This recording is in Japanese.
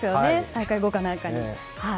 大会後かなんかに。